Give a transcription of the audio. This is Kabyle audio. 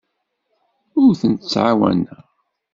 Ur tent-ttɛawaneɣ.